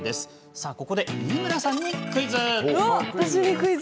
さあ、ここで仁村さんにクイズ。